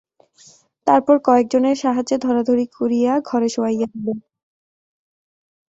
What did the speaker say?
তারপর কয়েকজনের সাহায্যে ধরাধরি করিয়া ঘরে শোয়াইয়া দিল।